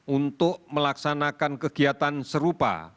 untuk melaksanakan kegiatan serupa